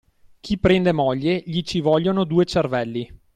Chi prende moglie gli ci vogliono due cervelli.